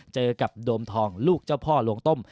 เจอกับโดมทองลูกเจ้าพ่อลวงต้ม